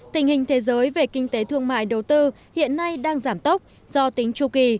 tình hình thế giới về kinh tế thương mại đầu tư hiện nay đang giảm tốc do tính tru kỳ